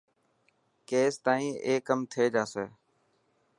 ڪيس تائن ايئو ڪم ٿي جاسي.